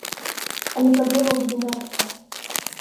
Але праблема будзе нарастаць.